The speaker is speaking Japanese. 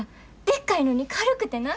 でっかいのに軽くてな。